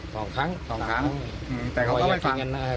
สองครั้งสองครั้งอืมแต่เขาก็ไม่ฟังกันอ่า